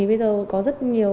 bây giờ có rất nhiều thứ